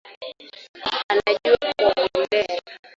Anajua kuogelea